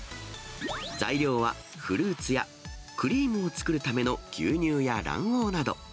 材料は、フルーツや、クリームを作るための牛乳や卵黄など。